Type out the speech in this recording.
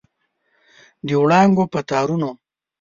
د وړانګو په تارونو